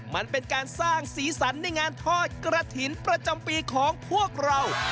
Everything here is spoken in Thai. มันเป็นการสร้างสีสันในงานทอดกระถิ่นประจำปีของพวกเรา